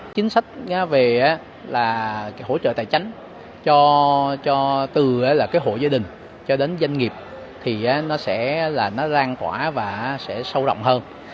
chính sách về hỗ trợ tài chánh từ hộ gia đình cho đến doanh nghiệp thì nó sẽ lan tỏa và sẽ sâu rộng hơn